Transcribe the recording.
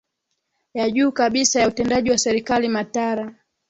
ya juu kabisa ya utendaji wa serikali matara